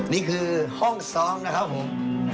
นี่คือห้องซ้อมนะครับผม